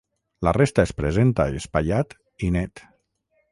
La resta es presenta espaiat i net.